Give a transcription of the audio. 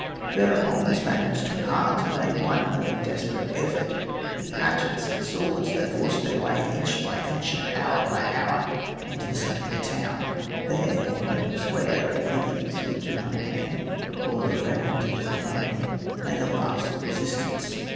Thereupon the Spaniards took heart, and made one more desperate effort. With hatchets and swords they forced their way, inch by inch and hour by hour, into the centre of the town. There, in an open square, O'Higgins, with two hundred men—all the remnant of his little army—made a last resistance.